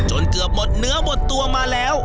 เกือบหมดเนื้อหมดตัวมาแล้ว